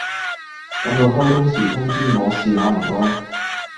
噉到時開工通知我試下唔該